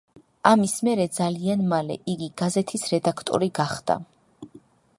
ამის მერე ძალიან მალე იგი გაზეთის რედაქტორი გახდა.